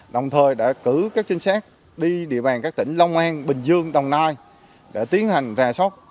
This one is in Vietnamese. đồng thời đã cử các trinh sát đi địa bàn các tỉnh long an bình dương đồng nai để tiến hành rà sóc